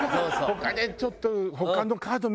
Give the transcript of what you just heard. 他でちょっと。